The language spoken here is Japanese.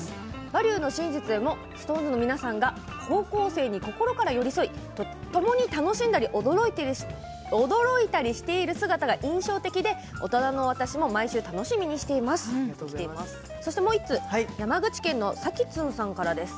「バリューの真実」でもＳｉｘＴＯＮＥＳの皆さんが高校生にいつも心から寄り添いともに楽しんで驚いたりしている姿が印象的で大人の私も毎週楽しみにしていますということです。